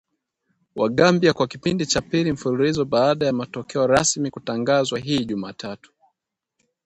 Wa Gambia, kwa kipindi cha pili mfululizo baada ya matokeo rasmi kutangazwa hii Jumatatu